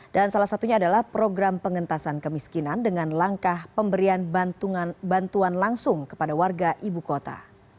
dan salah satunya adalah program pengentasan kemiskinan dengan langkah pemberian bantuan langsung kepada warga ibu kota